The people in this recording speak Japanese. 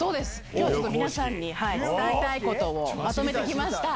きょうはちょっと皆さんに、伝えたいことをまとめてきました。